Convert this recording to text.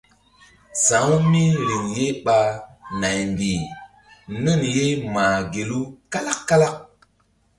Sa̧wu mí riŋ ye ɓa naymbih nun ye mah gelu kalak kalak.